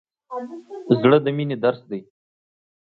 زړه د مینې درس دی.